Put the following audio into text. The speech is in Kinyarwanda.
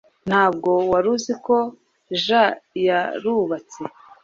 Ntabwo wari uzi ko jean yarubatse